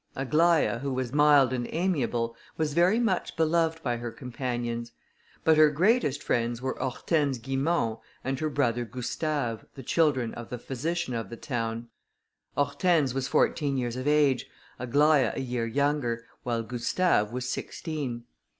Aglaïa, who was mild and amiable, was very much beloved by her companions; but her greatest friends were Hortense Guimont, and her brother Gustave, the children of the physician of the town. Hortense was fourteen years of age, Aglaïa a year younger, while Gustave was sixteen.